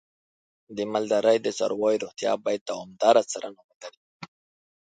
د مالدارۍ د څارویو روغتیا باید دوامداره څارنه ولري.